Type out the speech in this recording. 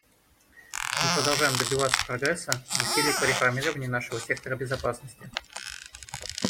Мы продолжаем добиваться прогресса в усилиях по реформированию нашего сектора безопасности.